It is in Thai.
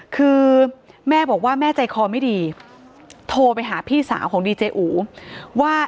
คือแม่บอกว่าแม่ใจคอไม่ดีโทรไปหาพี่สาวของดีเจอูว่า